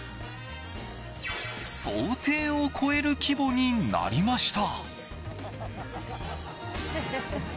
想定を超える規模になりました。